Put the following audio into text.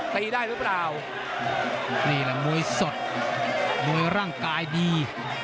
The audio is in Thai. ตีได้หรือเปล่านี่แหละมวยสดมวยร่างกายดี